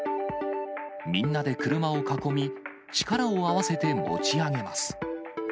みんなで車を囲み、力を合わせて持ち上げます。